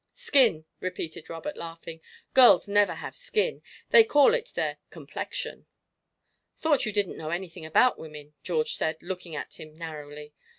"'Skin,'" repeated Robert, laughing; "girls never have 'skin.' They call it their 'complexion.'" "Thought you didn't know anything about women," George said, looking at him narrowly.